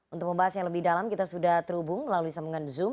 untuk membahas yang lebih dalam kita sudah terhubung melalui sambungan zoom